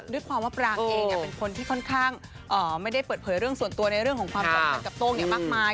ด้วยความว่าปรางเองเป็นคนที่ค่อนข้างไม่ได้เปิดเผยเรื่องส่วนตัวในเรื่องของความสัมพันธ์กับโต้งมากมาย